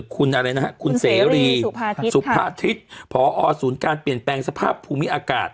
คุณอะไรนะฮะคุณเสรีสุภาทิศพอศูนย์การเปลี่ยนแปลงสภาพภูมิอากาศ